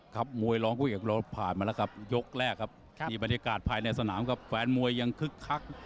ครับมวยร้องกลุ้งออกแผนมันและกันพยกแรกครับครับที่บรรยากาศภายในสนามกับแฟนมวยยังคึกครัฟ